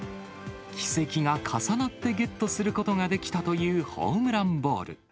奇跡が重なってゲットすることができたというホームランボール。